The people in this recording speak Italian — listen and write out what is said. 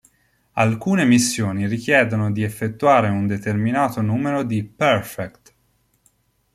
Alcune missioni richiedono di effettuare un determinato numero di "Perfect".